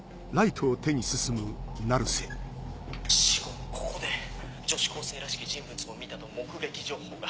死後もここで女子高生らしき人物を見たと目撃情報が。